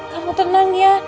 kamu tenang ya